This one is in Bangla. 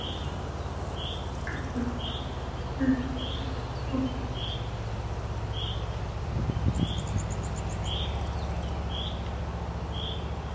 কুককে পুরোপুরি দোষ দেওয়া যাচ্ছে না, বলটি একটু নিচু হয়েই এসেছিল।